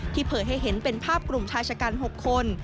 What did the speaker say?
เผยให้เห็นเป็นภาพกลุ่มชายชะกัน๖คน